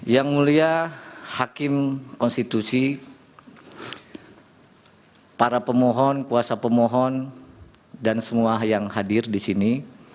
yang mulia hakim konstitusi para pemohon kuasa pemohon dan semua yang hadir di sini